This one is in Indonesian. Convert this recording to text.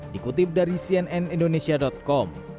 dikutip dari cnnindonesia com